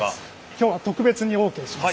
今日は特別にオーケーします。